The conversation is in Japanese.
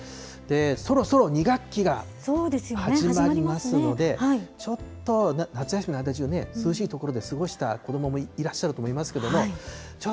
そろそろ２学期が始まりますので、ちょっと夏休みの間中、涼しい所で過ごした子どももいらっしゃると思いますけれども、ち